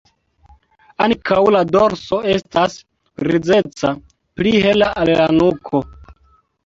Ankaŭ la dorso estas grizeca, pli hela al la nuko.